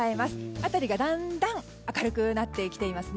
辺りがだんだん明るくなってきていますね。